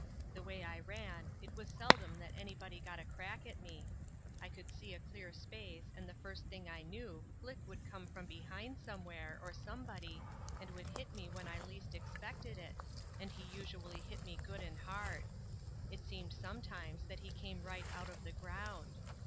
The way I ran, it was seldom that anybody got a crack at me. I would see a clear space and the first thing I knew Glick would come from behind somewhere, or somebody, and would hit me when I least expected it, and he usually hit me good and hard. It seemed sometimes that he came right out of the ground.